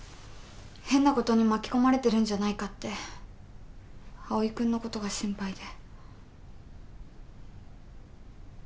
変なことに巻き込まれてるんじゃないかって蒼井君のことが心配で。